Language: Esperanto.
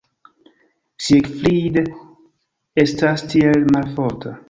Siegfried estas tiel malforta.